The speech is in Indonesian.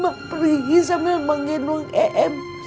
mak perigi sambil mengenung em